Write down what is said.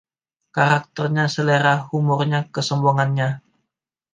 Karakternya, selera humornya, kesombongannya.